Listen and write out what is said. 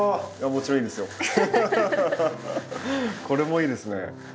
これもいいですね。